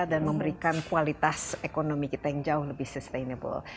dan memberikan kualitas ekonomi kita yang jauh lebih sustainable